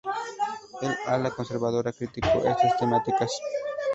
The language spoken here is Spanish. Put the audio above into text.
El ala conservadora criticó estas temáticas.